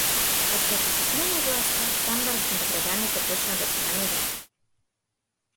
Откако се смени власта стандардот на граѓаните почна да се менува.